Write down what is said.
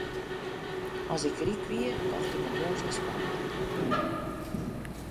As ik ryk wie, kocht ik in hûs yn Spanje.